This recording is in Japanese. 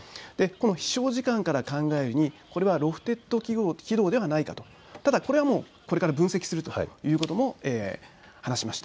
飛しょう時間から考えるにこれはロフテッド軌道ではないかと、ただこれはこれから分析するということも話しました。